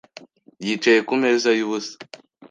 Yicaye kumeza yubusa.